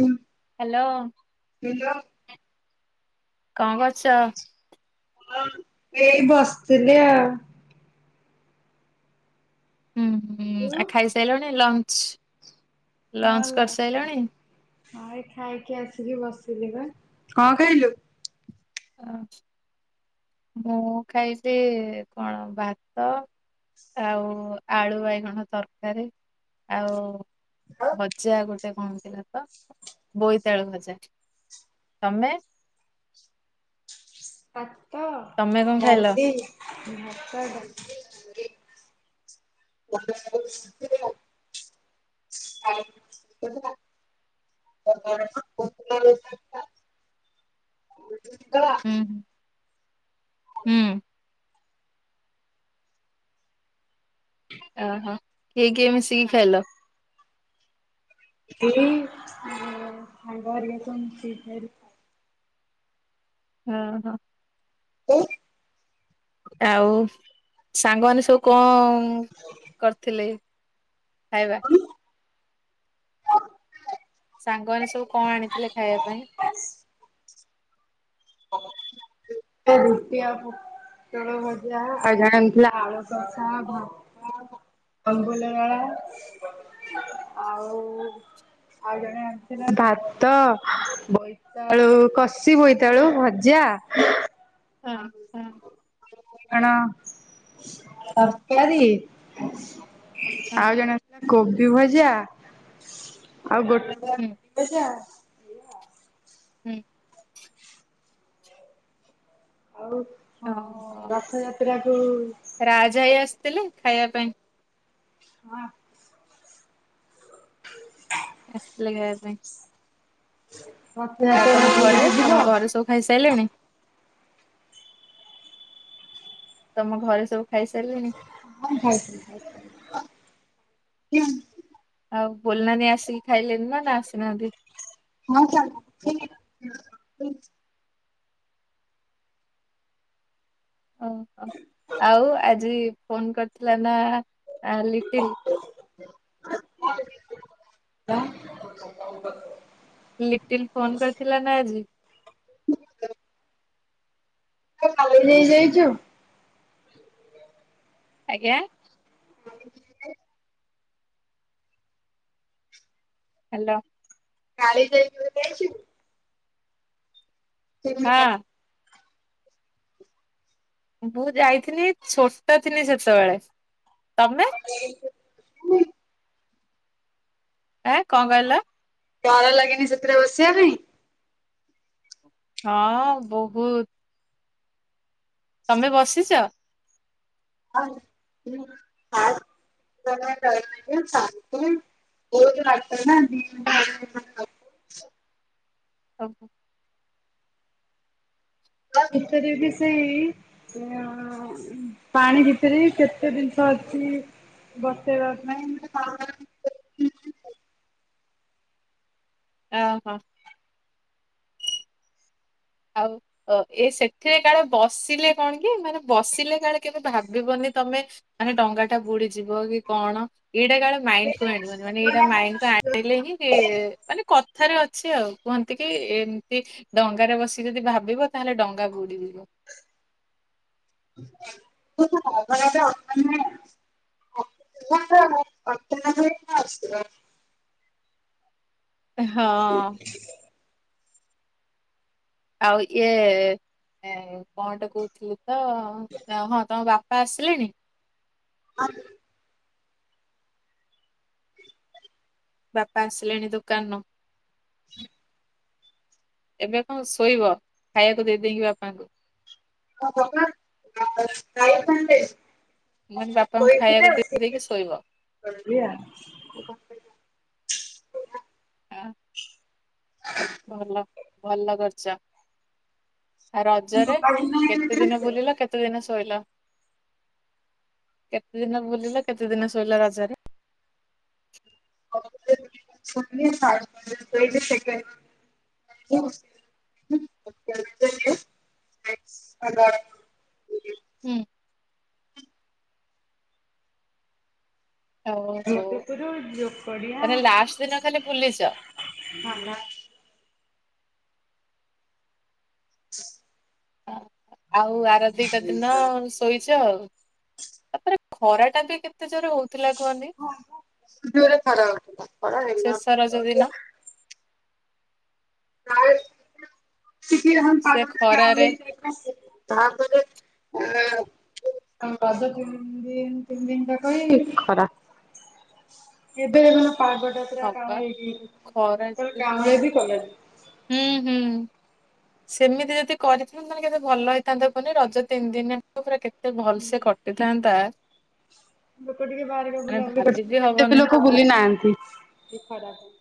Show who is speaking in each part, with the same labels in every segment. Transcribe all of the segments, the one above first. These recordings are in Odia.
Speaker 1: ହ୍ୟାଲୋ!
Speaker 2: କଣ କରଛ?
Speaker 1: ଏଇ ବସିଥିଲି ଆଉ।
Speaker 2: ହୁଁ ହୁଁ
Speaker 1: ତୁ?
Speaker 2: ଆଉ ଖାଇସାରିଲୁଣି ଲଞ୍ଚ?
Speaker 1: ହଁ
Speaker 2: ଲଞ୍ଚ
Speaker 1: ହଁ
Speaker 2: କରିସାରିଲଣି?
Speaker 1: ଏଇ ଖାଇକି ଆସିକି ବସ କଂ ଖାଇଲୁ?
Speaker 2: ମୁଁ ଖାଇଲିି କଣ ଭାତ ଆଉ ଆଳୁ ବାଇଗଣ ତରକାରୀ ଆଉ ଭଜା ଗୋଟେ ଗତେ କଣ ଥିଲା ତ ବୋଇତାଳୁ ଭଜା ତମେ
Speaker 1: ଭାତ
Speaker 2: ତମେ କଣ ଖାଇଲ?
Speaker 1: ଡାଲି ଭାତ [unintelligible] [unintelligible]
Speaker 2: ହୁଁ
Speaker 1: [unintelligible]
Speaker 2: ହୁଁ। ଓହୋ କିଏ କିଏ ମିଶିକି ଖାଇଲ?
Speaker 1: ଏ ଇ ସାଙ୍ଗ ହେରିକା ସବୁ ମିଶିକି ଖାଇଲୁ।
Speaker 2: ହଁ ହଁ।
Speaker 1: [inaudible]
Speaker 2: ଆଉ ସାଙ୍ଗମାନେ ସବୁ କଣ କରିଥିଲେ? ଖାଇବା। ସାଙ୍ଗମାନେ ସବୁ କଣ ଆଣିଥିଲେ ଖାଇବା ପାଇଁ?
Speaker 1: ରୁଟି ଆଉ ପୋଟଳ ଭଜା ଆଉ ଜଣେ ଥିଲା ଆଳ
Speaker 2: ହଁ
Speaker 1: [unintelligible] ଅଙ୍ଗୁଲଗଳା ଆଉ ଆଉ ଜଣେ ଅଛି ନା ଭାତ ବୋଇତାଳୁ କଷି ବୋଇ [unintelligible] ଭଜା ଆଉ
Speaker 2: ହଁ
Speaker 1: [unintelligible] ତରକାରୀ
Speaker 2: ହଁ
Speaker 1: ଆଉ ଜଣ କୋବି ଭଜା ଆଉ ଗୋଟେ [unintelligible]
Speaker 2: ହୁଁ।
Speaker 1: ଭଜା।
Speaker 2: ହୁଁ।
Speaker 1: ଆଉ
Speaker 2: ଓ ହୋ
Speaker 1: ରଥଯାତ୍ରା କୁ
Speaker 2: ରାଜ୍ ଭାଇ ଆସିଥିଲେ ଖାଇବା ପାଇଁ।
Speaker 1: ହଁ।
Speaker 2: ଆସିଥିଲେ ଖାଇବା ପାଇଁ। ଆଉ ତମ ଘରେ ତମ ଘରେ ସବୁ
Speaker 1: [unintelligible]
Speaker 2: ଖାଇସାରିଲେଣି ତମ ଘରେ ସବୁ ଖାଇସାରିଲେଣି?
Speaker 1: [unintelligible]
Speaker 2: ଆଉ ବୋଲ୍ ନାନୀ ଆସିକି ଖାଇଲେନି ନା ନା ଆସିନାହାନ୍ତି।
Speaker 1: ହଁ ଚାଲଚି
Speaker 2: ଓହ ଆଉ ଆଜି ଫୋନ କରିଥିଲା ନା ଲିଟିଲ୍।
Speaker 1: [unintelligible]
Speaker 2: ଲିଟିଲ ଫୋନ କରିଥିଲା ନା ଆଜି।
Speaker 1: କାଲି। [unintelligible]
Speaker 2: ଆଜ୍ଞା।
Speaker 1: [inaudible]
Speaker 2: ହ୍ୟାଲୋ।
Speaker 1: କାଲିଜାଇ କେବେ ଯାଇଚୁ?
Speaker 2: ହଁ।
Speaker 1: [unintelligible]
Speaker 2: ମୁଁ ଯାଇଥିଲି ଛୋଟ ଥିଲି ସେତେବେଳେ। ତମେ
Speaker 1: [inaudible]
Speaker 2: ଆଁ କଣ କହିଲ?
Speaker 1: ଡର ଲାଗେନି ସେଥିରେ ବସିବା ପାଇଁ?
Speaker 2: ହଁ ବହୁତ! ତମେ ବସିଚ?
Speaker 1: [unintelligible] [unintelligible]
Speaker 2: ଓ ହୋ।
Speaker 1: ହଁ ଭିତରେ ବି ସେଇ ପାଣି ଭିତରେ କେତେ ଜିନିଷ ଅଛି ବସିବା ପାଇଁ।
Speaker 2: [inaudible] ଓ ହୋ। ଆଉ ଏ ସେଥିରେ କାଳେ ବସିଲେ କଣ କି ମାନେ ବସିଲେ କାଳେ କେବେ ଭାବିବନି ତମେ ମାନେ ଡଙ୍ଗା ଟା ବୁଡିଯିବ କି କଣ ଏଇଟା କାଳେ ମାଇଣ୍ଡ କୁ ଆଣିବନି। ମାନେ ଏଇଟା ମାଇଣ୍ଡ କୁ ଆଣିଲେ ହିଁ ମାନେ କଥାରେ ଅଛି ଆଉ। କୁହନ୍ତି କି ଏମତି ଡଙ୍ଗାରେ ବସି ଯଦି ଭାବିବ ତାହେଲେ ଡଙ୍ଗା ବୁଡିଯିବ।
Speaker 1: [unintelligible] [unintelligible]
Speaker 2: ହଁ। ଆଉ ଇଏ କଣଟେ କହୁଥିଲୁ ତ ହଁ ତମ ବା ପା ଆସିଲେଣି?
Speaker 1: [unintelligible]
Speaker 2: ବାପା ଆସିଲେଣି ଦୋକାନରୁ?
Speaker 1: [inaudible]
Speaker 2: ଏବେ କଣ ଶୋଇବ ଖାଇବାକୁ ଦେଇ ଦେଇକି ବାପାଙ୍କୁ?
Speaker 1: [unintelligible] ଶୋଇଥିଲେ
Speaker 2: ମୁଁ କହିଲି ବାପାଙ୍କୁ ଖାଇବାକୁ
Speaker 1: ଉଠିକି
Speaker 2: ଦେଇ ଦେଇକି ଶୋଇବ।
Speaker 1: ଗଲେ ଆ
Speaker 2: ହଁ ଭଲ ଭଲ କରିଛ ଆ ରଜରେ
Speaker 1: ମଧୁପୁର
Speaker 2: କେତେ ଦିନ ବୁଲିଲ କେତେ ଦିନ? ଶୋଇଲ କେତେ ଦିନ ବୁଲିଲ କେତେ ଦିନ ଶୋଇଲ ରଜରେ
Speaker 1: ସେକଣ୍ଡ [unintelligible]
Speaker 2: ହୁଁ
Speaker 1: [unintelligible]
Speaker 2: ତାହନେ ଲାଷ୍ଟ ଦିନ ଖାଲି ବୁଲିଛ
Speaker 1: ଥାନା। [inaudible]
Speaker 2: ଆଉ ଆର ଦିଟା ଦିନ ଶୋଇଛ ଆଉ ତାପରେ ଖରା ଟା ବି କେତେ ଜୋର ହଉଛି
Speaker 1: ହ ଜୋରେ ଖରା ହେଉଥିଲା ଖରା
Speaker 2: ଶେଷ ରଜ
Speaker 1: ହେଲାବତେ
Speaker 2: ଦିନ
Speaker 1: ହୋଉଥିଲା [unintelligible] ସେଥିି ଲହମ
Speaker 2: ସେ
Speaker 1: ପାରେ ଗହୁ
Speaker 2: ଖରାରେ
Speaker 1: ଅ ତା ପରେ ରଜ ତିନି ଦିନ ତିନି ଦିନଟାକ ଏଇ ଖରା ଏବେ ପାଗଟା ପୁରା
Speaker 2: ହଁ ପା
Speaker 1: କାଉଲେଇଛି ସେତେ
Speaker 2: ଖରା
Speaker 1: ବେଳେ
Speaker 2: ଏତେ ଜୋରେ
Speaker 1: କାଉଲିଆ ବି କଲାନି
Speaker 2: ହୁଁ ହୁଁ ସେମିତି ଯଦି କରିିଥାନ୍ତି ତାହେଲେ କେତେ ଭଲ ହେଇଥାନ୍ତା ପନି ରଜ ତିନି ଦିନି ପୁରା କେତେ ଏତେ ଭଲସେ କଟିଥାନ୍ତା
Speaker 1: ଲୋକ ଟିକେ ବାହାରିକ
Speaker 2: ମାନେ
Speaker 1: ବୁଲାବୁଲି
Speaker 2: ଭାବି ବିି
Speaker 1: କରିୁଛନ୍ତି ସେତେ ବି
Speaker 2: ହବନି
Speaker 1: ଲୋକ ବୁଲି ନାହାନ୍ତି ସେ ଖଡା ପାଇ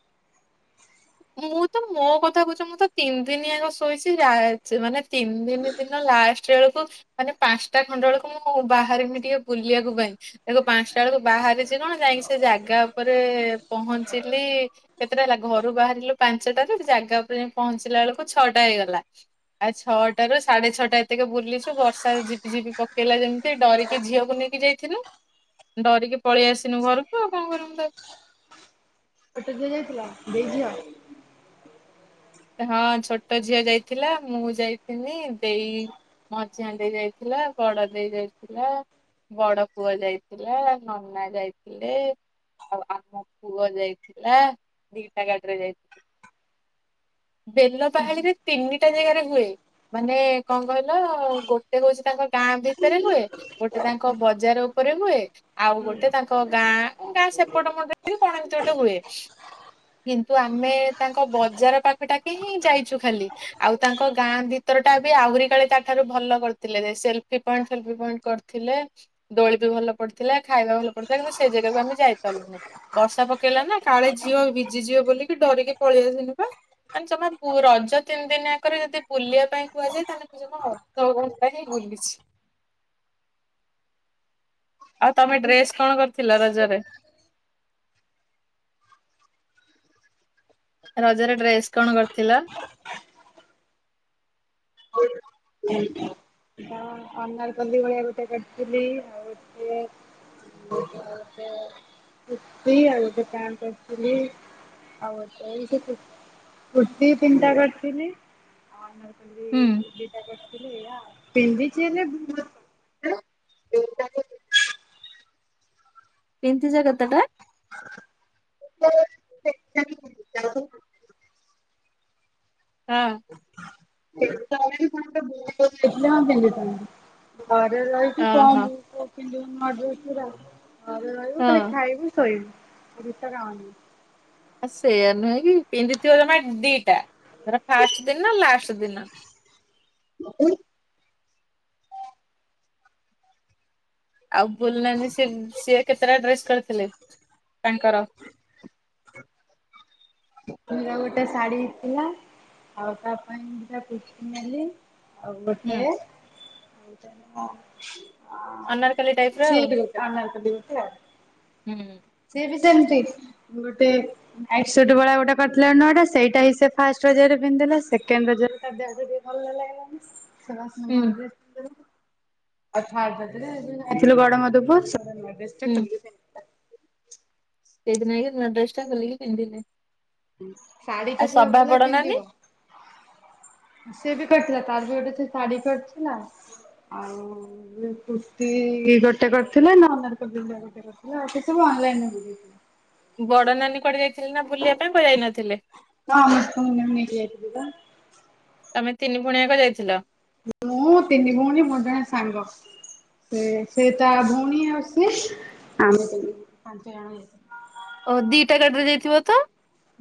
Speaker 2: ମୁଁ ତ ମୋ କଥା କହୁଛି ମୁଁ ତ ତିନି ଦିନି ଆଗ ଶୋଇଛି ଯା ମାନେ ତିନି ଦିନି ଦିନ ଲାଷ୍ଟ ବେଳକୁ ମାନେ ପାଞ୍ଚଟା ଖଣ୍ଡ ବେଳକୁ ମୁଁ ବାହରିମି ଟିକେ ବୁଲିବାକୁ ପାଇଁଖ ପାଞ୍ଚଟା ବେଳକୁ ବା କଣ ଯାଇି ସେ ଜାଗା ଉପରେ ପହଞ୍ଚିଲି କେତେଟା ହେଲା ଘରୁ ବାହା ଞ୍ଚିଲୁ ପାଞ୍ଚଟା ଜାଗା ଉପରେ ଯ ପହଞ୍ଚିଲା ବେଳକୁ ଛଅଟା ହେଇଗଲା ଆଉ ଛଅଟାରୁ ର ସାଢେ ଛଅଟା ଏତକ ବୁଲିଛୁ ବର୍ଷା ଝପି ଝିପି ପକେଇଲା ଯେମିତି ଡରିକି ଝିଅକୁ ନେଇ ଟିକେ ଯାଇଥିଲୁ ଡରିକି ପଳେଇ ଆସନୁ ଘରକୁ ଆଉ କଣ କରୁ ତା
Speaker 1: କଟକ ଯିଆ ଯାଇଥିଲା ଦେଇ ଝିଅ
Speaker 2: ହଁ ଛୋଟ ଝିଅ ଯାଇଥିଲା ମୁଁ ଯାଇଥିନି ଦେଇ ମଝିଆ ଦେଇ ଯାଇଥିଲା ବଡ ଦେଇ ଯାଇଥିଲା ବଡ ପୁଅ ଯାଇଥିଲା ନନା ଯାଇଥିଲେ ଆଉ ଆମ ପୁଅ ଯାଇଥିଲା ଦିଟା ଗାଡ଼ିରେ ଯାଇଥିଲ ବେଲ ପାହାଳିରେ ତିନି ଗୋଟେ ଜାଗାରେ ହୁଏ ମାନେ କଣ କହିଲ ଗୋଟେ ହ ଉଛି ତାଙ୍କ ଗାଁ ଭିତରେ ହୁଏ ଗୋଟେ ତାଙ୍କ ବଜାର ଉପରେ ହୁଏ ଆଉ ଗୋଟେ ତାଙ୍କ ଗାଁ ଗାଁ ସେପଟ ମଣ୍ଡରେ ଗଣ ଏତି ଗୋଟେ ହୁଏ କିନ୍ତୁ ଆମେ ତାଙ୍କ ବଜାର ପାଖ ପାଖଟାକ ହିଁ ଯାଇଛୁ ଖାଲି ଆଉ ତାଙ୍କ ଗାଁ ଭିତର ଟା ବି ଆହୁରି କାଳେ ତାଠାରୁ ଭଲ କରିୁଥିଲେ ସେଲଫି ପଏଣ୍ଟ ସେଲଫି ପଏଣ୍ଟ କରିଥିଲେ ଦୋଳି ବି ଭଲ ପଡିଥିଲା ଖାଇବା ଭଲ ପଡିଥିଲା କିନ୍ତୁ ସେ ଜାଗାକୁ ଆମେ ଯାଇ ପାରିଲୁନି ବର୍ଷା ପକେଇଲା ନା କାଳେ ଝିଅ ଭିଜି ଯିବ ବୋଲିକି ଡରିକି ପଳେଇଆନ ବା ମାନେ ଜମା ରଜ ତିନି ଦିନିଆଗରେ ଯଦି ବୁଲିବା ପାଇଁ କୁହାଯାଏ ତାହେଲେ ପ ଜମା ଅଧଘଣ୍ଟା ହେଇଗ ପୋଲିଛି ଆଉ ତମେ ଡ୍ରେସ କଣ କରିଥିଲ ରଜରେ? ରଜ ର ଡ୍ରେସ୍ କଣ କରିଥିଲ?
Speaker 1: ଅନର କ୍ଲିୀ ଭଳିଆ ଗୋଟେ କରିଥିଲି ଆଉ ଟଏ [unintelligible] କୁର୍ତି ଆଉ ଗୋଟେ ପ୍ୟାଣ୍ଟ କରିଥିଲି ହଉ ସେ କୁର୍ତ୍ତୀ ପିନ୍ଟା କରିଥିଲି
Speaker 2: ହୁଁ
Speaker 1: [unintelligible] ଏବେ [unintelligible]
Speaker 2: ପିନ୍ଧିଛ କେତେଟା? ହଁ।
Speaker 1: ପିଅନ୍ତିନି କିନ୍ତୁ ଘରେ ରହିକି କଣ
Speaker 2: ଓହୋ
Speaker 1: [unintelligible] ଘରେ ରହିବୁ ଖାଲି ଖାଇବୁ ଶୋଇବୁ
Speaker 2: ହଁ।
Speaker 1: ଆଉ କିଛି ତ କାମ ନାହିଁ।
Speaker 2: ଆ ସେଇଆା ନୁହେଁ କି ପିନ୍ଧିଥିବ ଜମା ଦିଟା। ସେଇଟା ଫାଷ୍ଟ ଦିନ ଲାଷ୍ଟ ଦିନ।
Speaker 1: ଉ
Speaker 2: ଆଉ ବୁଲ ନାହାନ୍ତି ସେ ସିଏ କେତେଟା ଡ୍ରେସ୍ କରିଥିଲେ? ତାଙ୍କର।
Speaker 1: ତାପରେ ଆଉ ଗୋଟେ ଶାଢୀ ଥିଲା, ଆଉ ତା ପାଇଁ ଦି ଟା କୁର୍ତି ନେଲି। ଆଉ
Speaker 2: ହୁଁ
Speaker 1: ଗୋଟେ
Speaker 2: ଅନାରକଲି ଟାଇପ ର ଆଉ
Speaker 1: [unintelligible] ଦେଇ ପୁଅ।
Speaker 2: ହୁଁ।
Speaker 1: ସେମିତି ଗୋଟେ ଆଠ ଶହ ଟଙ୍କା ଗୋଟେ [unintelligible] ନଅ ଟା ସେଇଟା ହିଁ ସେ ଫାଷ୍ଟ ରଜରେ ପିନ୍ଧିଦେଲା, ସେକେଣ୍ଡ ରଜରେ ତା ଦେହ ବି ଭଲ
Speaker 2: ହୁଁ
Speaker 1: ଲାଗିଲାନି। [unintelligible] ଥିଲୁ ଗଡ ମଧୁପୁର [unintelligible]
Speaker 2: ସେଇଦିନ ଯାଇକି ନୂଆ ଡ୍ରେସ୍ ଟା ଖୋଲିକି ପିନ୍ଧିଲି।
Speaker 1: ଶାଢୀଟା [unintelligible] ପିନ୍ଧିବ। ସିଏ ବି କରିଥିଲା ତାର ବି ଗୋଟେ ସେ ଶାଢୀ କରିଚି ନା। ଆଉ କୁର୍ତ୍ତି ଗୋଟେ କରିଥିଲେ ନା ଅନାରକଲି ଗୋଟେ କରିଥିଲେ ଆଉ କେ [unintelligible]
Speaker 2: ବଡ ନାନୀ କୁଆଡ଼େ ଯାଇଥିଲେ ନା ବୁଲିଆ ପାଇଁ ପ ଯାଇନ
Speaker 1: ହଁ ମୁଁ ନେଇକି ଯାଇଥିଲି ବା।
Speaker 2: ତମେ ତିନି ଭଉଣୀଆକ ଯାଇଥିଲ?
Speaker 1: ମୁଁ ତିନି ଭଉଣୀ ମୋର ଜଣେ ସାଙ୍ଗ। ସେ ସେ ତା ଭଉଣୀ ଆଉ ସେ ଆମେ ପାଞ୍ଚ ଜଣ।
Speaker 2: ଓ ଦିଇଟା ଗାଡିରେ ଯାଇଥିବ ତ?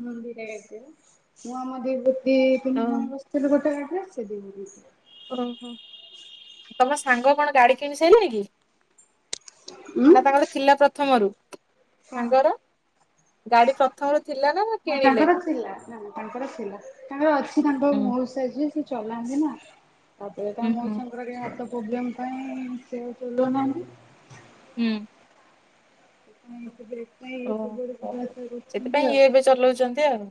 Speaker 1: ହଁ ଦି ଟା ଗାଡ଼ିରେ ବା
Speaker 2: ଓ
Speaker 1: ତିନି ଜଣ ବସିଥିଲୁ ଗୋଟେ ଗା ରେ ସେ ଦି ଜଣ ବସିଲେ।
Speaker 2: ଓ ହୋ ତମ ସାଙ୍ଗ କଣ ଗାଡି କିଣି ସାଇଲାଣି କି?
Speaker 1: ଉଁ
Speaker 2: ନା ତାଙ୍କର ଥିଲା ପ୍ରଥମରୁ।
Speaker 1: କଣ
Speaker 2: ସାଙ୍ଗର ଗାଡି ପ୍ରଥମରୁ ଥିଲା? ନା
Speaker 1: ହଁ
Speaker 2: କିଣିଲେ?
Speaker 1: ତାଙ୍କର ଥିଲା ନା ତାଙ୍କର ଥିଲା ତାଙ୍କର ଅଛି ତାଙ୍କର
Speaker 2: ହୁଁ
Speaker 1: ମଉସା ଯିଏ ସେ ଚଲାନ୍ତି ନା ତାପରେ ତା
Speaker 2: ହୁଁ ହୁଁ
Speaker 1: ମଉସାଙ୍କର ଦେହ ହାତ ପ୍ରୋବ୍ଲେମ୍ ପାଇଁ ସେ ଚଲଉ ନାହାନ୍ତି।
Speaker 2: ହୁଁ।
Speaker 1: [unintelligible] ନାଇଁ ଇଏ ସବୁଆଡେ
Speaker 2: ଓହୋ ସେଥିପାଇଁ
Speaker 1: [unintelligible] ଆଉ।
Speaker 2: ଇଏ ଏବେ ଚଲଉଛନ୍ତି ଆଉ।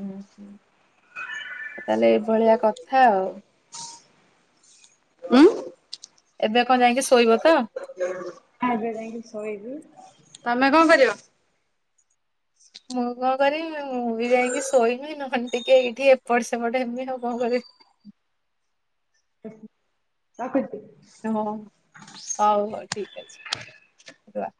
Speaker 2: ହୁଁ। ହଁ ତାହେଲେ ଏଇଭଳିଆ କଥା ଆଉ।
Speaker 1: ଉଁ।
Speaker 2: ଏବେ କଣ ଯାଇକି ଶୋଇବ ତ?
Speaker 1: ଏବେ ଯାଇକି ଶୋଇବୁ। ତମେ କଣ କରିବ?
Speaker 2: ମୁଁ କଣ କରିବି ମୁଁ ବି ଯାଇକି ଶୋଇବି ନହେନେ ଟିକେ ଏଇଠି ଏପଟ ସେପଟ ଏମି ଆ, କଣ କରିବି?
Speaker 1: ରଖୁଛି।
Speaker 2: ହଁ ହଉ ହଉ ଠିକ ଅଛି।